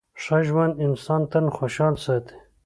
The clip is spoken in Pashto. ښه ژوند انسان تل خوشحاله ساتي.